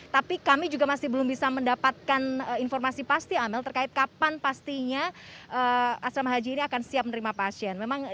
tapi kami juga masih belum bisa mendapatkan informasi pasti amel terkait kapan pastinya asrama haji ini akan siap menerima pasien